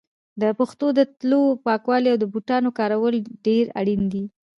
د پښو د تلو پاکوالی او د بوټانو کارول ډېر اړین دي.